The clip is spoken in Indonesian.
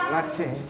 aku ingin mencintaimu